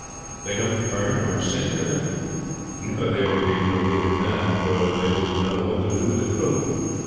"They don't burn or sink her, then?" "No; there would be no good in that; for they wouldn't know what to do with the crew.